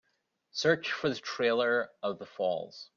Search for the trailer of The Falls